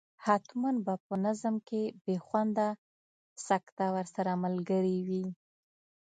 حتما به په نظم کې بې خونده سکته ورسره ملګرې وي.